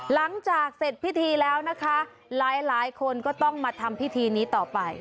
หลังจากเสร็จพิธีแล้วนะคะหลายคนก็ต้องมาทำพิธีนี้ต่อไป